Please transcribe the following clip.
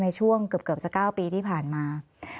ในช่วงเกือบสัก๙ปีที่ผ่านมา